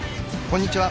こんにちは。